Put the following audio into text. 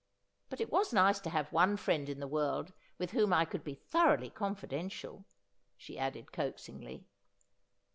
But it was nice to have one friend in the world with whom I could be thoroughly confidential,' she added coaxingly.